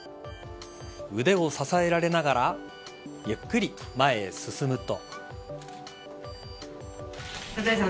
腕を支えられながらゆっくり前へ進むと。